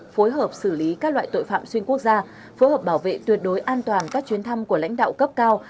phối hợp xử lý các loại tội phạm xuyên quốc gia phối hợp bảo vệ tuyệt đối an toàn các chuyến thăm của lãnh đạo cấp cao